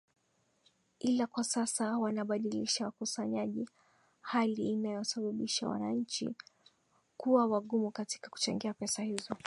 ila kwa sasa wanabadilisha wakusanyaji hali inayosababisha wananchi kuwa wagumu katika kuchangia pesa hizo